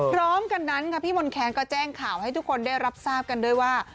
พร้อมกันนั้นค่ะพี่มนต์แคนก็แจ้งข่าวให้ทุกคนได้รับทราบกันด้วยว่า